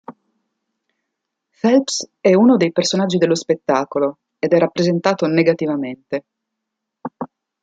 Phelps è uno dei personaggi dello spettacolo ed è rappresentato negativamente.